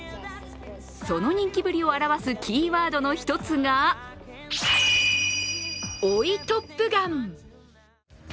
その人気ぶりを表すキーワードの一つが追いトップガン。